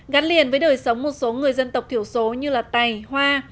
gắn liền với đời sống một số người dân tộc thiểu số như là tài hoa